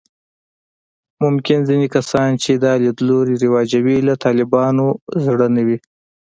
ممکن ځینې کسان چې دا لیدلوري رواجوي، له طالبانو زړه نه وي